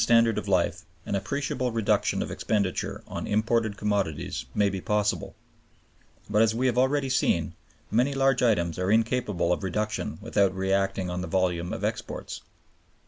By lowering the standard of life, an appreciable reduction of expenditure on imported commodities may be possible. But, as we have already seen, many large items are incapable of reduction without reacting on the volume of exports.